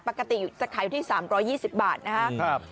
ปกติจะขายอยู่ที่๓๒๐บาทนะครับ